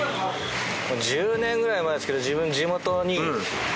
１０年ぐらい前ですけど自分地元に。